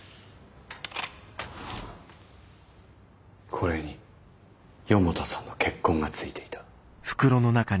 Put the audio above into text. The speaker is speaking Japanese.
これに四方田さんの血痕が付いていた。